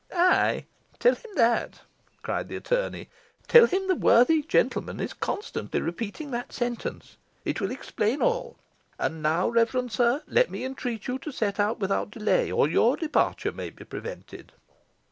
"Ay, tell him that," cried the attorney "tell him the worthy gentleman is constantly repeating that sentence. It will explain all. And now, reverend sir, let me entreat you to set out without delay, or your departure may be prevented."